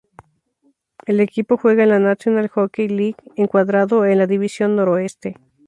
El equipo juega en la National Hockey League encuadrado en la División Noroeste.